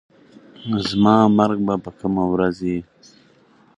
زما مرګ به په کومه ورځ وي؟